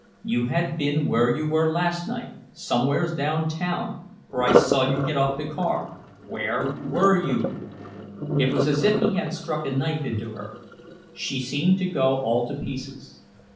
You had been where you were last night—somewheres downtown, for I saw you get off the car. Where were you?" It was as if he had struck a knife into her. She seemed to go all to pieces.